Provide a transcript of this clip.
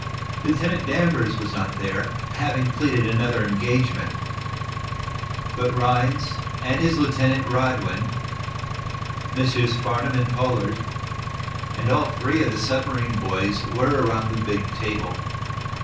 Lieutenant Danvers was not there, having pleaded another engagement. But Rhinds and his lieutenant, Radwin, Messrs. Farnum and Pollard and all three of the submarine boys were around the big table.